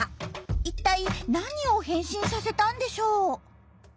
一体何を変身させたんでしょう？